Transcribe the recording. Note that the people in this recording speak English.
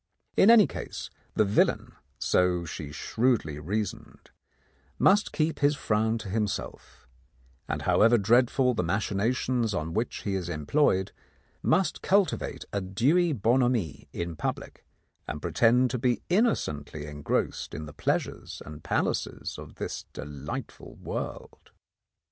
In any case, the villain, so she shrewdly reasoned, must keep his frown to himself, and however dreadful the machinations on which he is employed, must cultivate a dewy bonhomie in public, and pretend to be innocently engrossed in the pleasures and palaces of this delightful world.